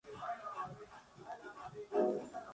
Al mismo tiempo fue nombrado alcalde de la ciudad.